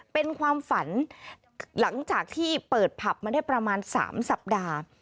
เป็นความฝันหลังจากที่เปิดผับมาได้ประมาณ๓สัปดาห์